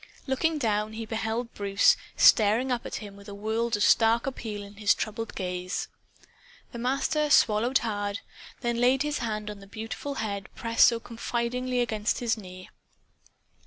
Looking down he beheld Bruce staring up at him with a world of stark appeal in his troubled gaze. The Master swallowed hard; then laid his hand on the beautiful head pressed so confidingly against his knee.